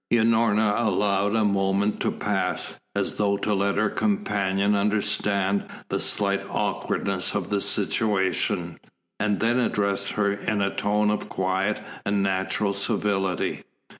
Unorna allowed a moment to pass, as though to let her companion understand the slight awkwardness of the situation, and then addressed her in a tone of quiet and natural civility.